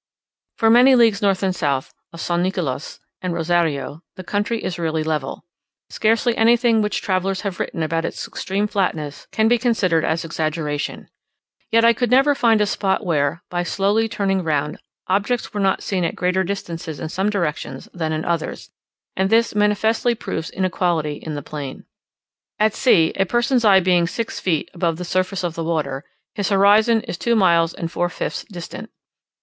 For many leagues north and south of San Nicolas and Rozario, the country is really level. Scarcely anything which travellers have written about its extreme flatness, can be considered as exaggeration. Yet I could never find a spot where, by slowly turning round, objects were not seen at greater distances in some directions than in others; and this manifestly proves inequality in the plain. At sea, a person's eye being six feet above the surface of the water, his horizon is two miles and four fifths distant.